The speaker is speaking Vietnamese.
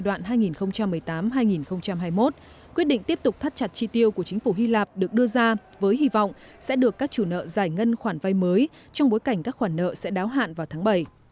giai đoạn hai nghìn một mươi tám hai nghìn hai mươi một quyết định tiếp tục thắt chặt chi tiêu của chính phủ hy lạp được đưa ra với hy vọng sẽ được các chủ nợ giải ngân khoản vay mới trong bối cảnh các khoản nợ sẽ đáo hạn vào tháng bảy